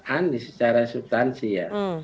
anies secara substansi ya